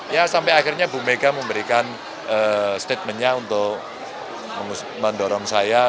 ya sampai akhirnya bu mega memberikan statementnya untuk mendorong saya